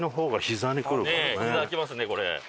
ひざきますねこれ。